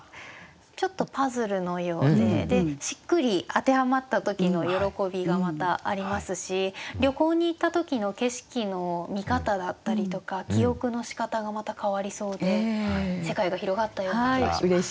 ちょっとパズルのようでしっくり当てはまった時の喜びがまたありますし旅行に行った時の景色の見方だったりとか記憶のしかたがまた変わりそうで世界が広がったような気がします。